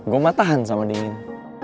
gue mah tahan sama dingin